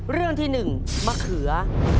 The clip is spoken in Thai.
เรื่องที่๑มะเขือ